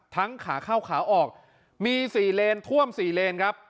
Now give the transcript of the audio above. ขาเข้าขาออกมี๔เลนท่วม๔เลนครับ